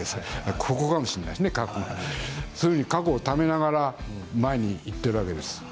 そういう過去をためながら前に行っているわけです。